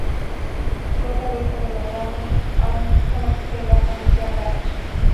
Fue cabeza de la rama de Arnstadt de la familia Bach.